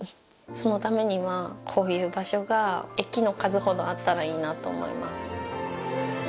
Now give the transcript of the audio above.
そのためにはこういう場所が駅の数ほどあったらいいなと思います。